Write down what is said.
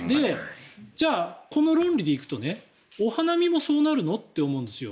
じゃあ、この論理で行くとお花見もそうなるの？と思うんですよ。